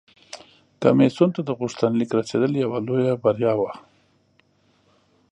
کمیسیون ته د غوښتنلیک رسیدل یوه لویه بریا وه